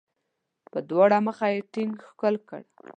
په دواړه مخه یې ټینګ ښکل کړ.